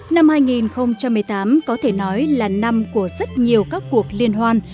năm hai nghìn một mươi tám có thể nói là năm của rất nhiều các cuộc liên hoan